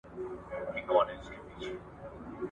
دهر ډول ظلم او بي عدالتۍ له منځه وړل ، دمظلومانو له